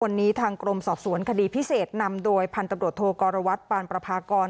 วันนี้ทางกรมสอบสวนคดีพิเศษนำโดยพันธุ์ตำรวจโทกรวัตรปานประพากร